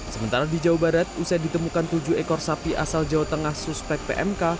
sementara di jawa barat usai ditemukan tujuh ekor sapi asal jawa tengah suspek pmk